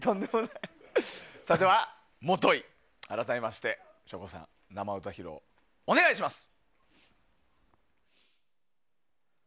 それでは、改めまして省吾さん、生歌披露お願いします。